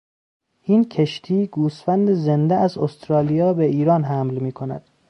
این کشتی گوسفند زنده از استرالیا به ایران حمل میکند.